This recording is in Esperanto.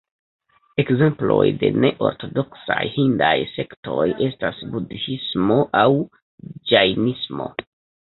Ekzemploj de ne-ortodoksaj hindaj sektoj estas Budhismo aŭ Ĝajnismo.